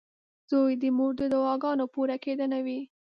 • زوی د مور د دعاګانو پوره کېدنه وي.